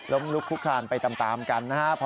ลุกคุกคลานไปตามกันนะครับ